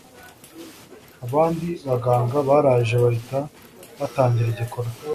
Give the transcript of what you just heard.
abandi baganga baraje bahita batangira igikorwa